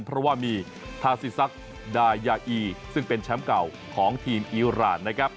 เพราะว่ามีทาซิซักดายาอีซึ่งเป็นแชมป์เก่าของทีมอีรานนะครับ